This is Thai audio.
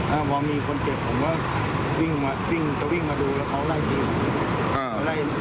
เผามีคนเจ็บผมก็วิ่งมาดูแล้วเขาร่ายที